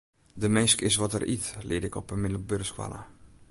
De minske is wat er yt, learde ik op 'e middelbere skoalle.